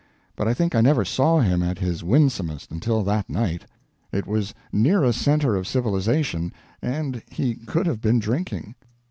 But I think I never saw him at his winsomest until that night. It was near a center of civilization, and he could have been drinking.